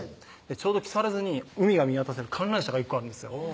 ちょうど木更津に海が見渡せる観覧車が１個あるんですよ